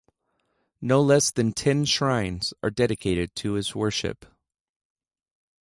No less than ten shrines are dedicated to his worship.